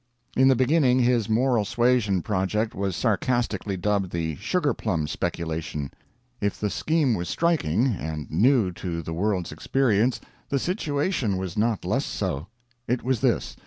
In the beginning, his moral suasion project was sarcastically dubbed the sugar plum speculation. If the scheme was striking, and new to the world's experience, the situation was not less so. It was this.